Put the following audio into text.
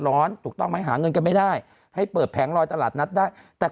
ถูกต้องไหมหาเงินกันไม่ได้ให้เปิดแผงลอยตลาดนัดได้แต่